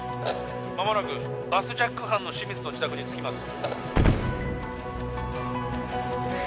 まもなくバスジャック犯の清水の自宅に着きます